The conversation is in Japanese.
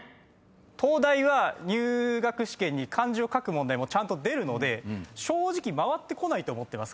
東大は入学試験に漢字を書く問題もちゃんと出るので正直回ってこないと思ってます